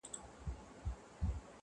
ټول غزل غزل سوې دواړي سترګي دي شاعري دي,